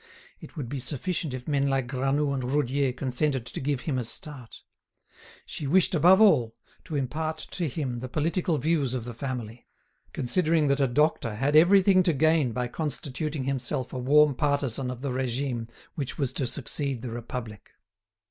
It would be sufficient if men like Granoux and Roudier consented to give him a start. She wished, above all, to impart to him the political views of the family, considering that a doctor had everything to gain by constituting himself a warm partisan of the regime which was to succeed the Republic.